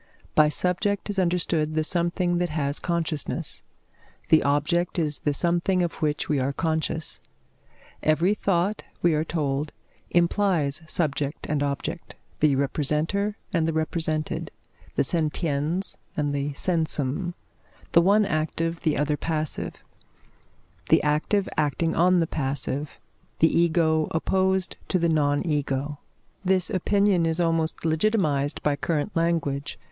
By subject is understood the something that has consciousness; the object is the something of which we are conscious. Every thought, we are told, implies subject and object, the representer and the represented, the sentiens and the sensum the one active, the other passive, the active acting on the passive, the ego opposed to the non ego. This opinion is almost legitimised by current language.